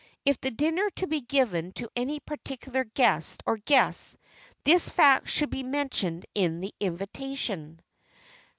If the dinner be given to any particular guest or guests, this fact should be mentioned in the invitation.